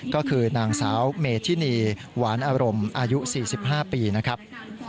ก็คือนางสาวเมธินีหวานอารมณ์อายุ๔๕ปีนะครับ